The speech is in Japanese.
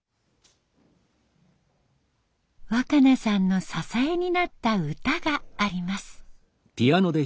若渚さんの支えになった歌があります。